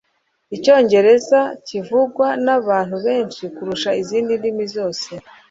Icyongereza kivugwa nabantu benshi kurusha izindi ndimi zose